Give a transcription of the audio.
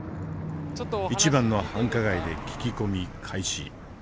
一番の繁華街で聞き込み開始。